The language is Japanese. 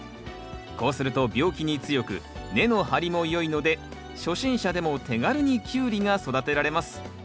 こうすると病気に強く根の張りもよいので初心者でも手軽にキュウリが育てられます。